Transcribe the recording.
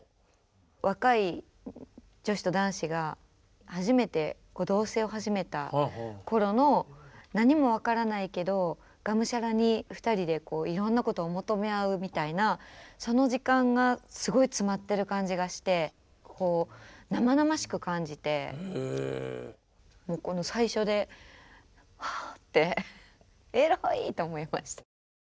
若い女子と男子が初めて同棲を始めた頃の何も分からないけどがむしゃらに２人でいろんなことを求め合うみたいなその時間がすごい詰まってる感じがして生々しく感じてこの最初ではあってエロいと思いました。